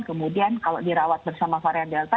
kemudian kalau dirawat bersama varian delta